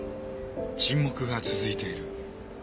沈黙が続いている。